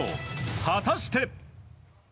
果たして。